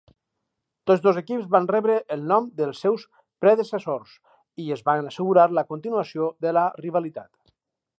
Tots dos equips van rebre el nom dels seus predecessors i es van assegurar la continuació de la rivalitat.